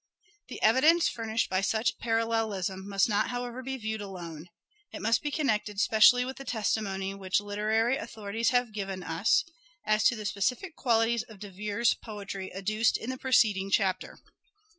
The evidence furnished by such parallelism must not however be viewed alone ; it must be connected specially with the testimony which literary authorities have given us as to the specific qualities of De Vere's poetry adduced in the preceding chapter.